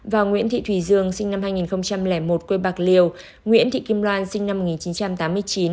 và nguyễn thị thùy dương sinh năm hai nghìn một quê bạc liêu nguyễn thị kim loan sinh năm một nghìn chín trăm tám mươi chín